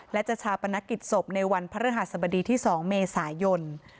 และจะชาปนกิจศพในวันพระฤหัสบดีที่๒เมษายน